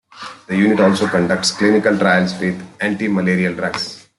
The unit also conducts clinical trials with antimalarial drugs.